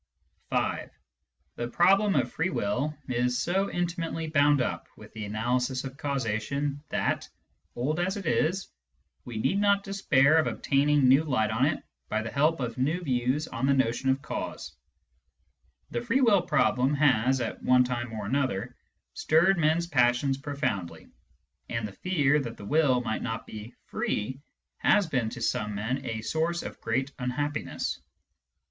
V. The problem of free will is so intimately bound up with the analysis of causation that, old as it is, we need not despair of obtaining new light on it by the help of new views on the notion of cause. The free will problem Digitized by Google 228 SCIENTIFIC METHOD IN PHILOSOPHY has, at one time or another, stirred men's passions pro foundly, and the fear that the will might not be free has been to some men a source of great unhappiness.